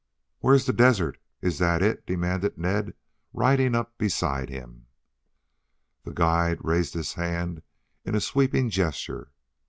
"Where's the desert is that it?" demanded Ned, riding up beside him. The guide raised his hand in a sweeping gesture.